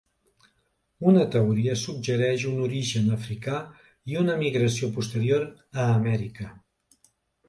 Una teoria suggereix un origen africà i una migració posterior a Amèrica.